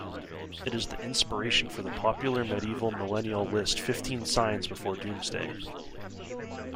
It is the inspiration for the popular medieval millennial list Fifteen Signs before Doomsday.